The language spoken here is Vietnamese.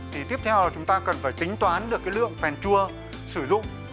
thì tiếp theo chúng ta cần phải tính toán được cái lượng phèn chua sử dụng